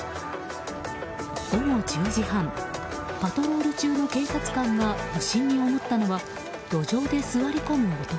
午後１０時半パトロール中の警察官が不審に思ったのは路上で座り込む男。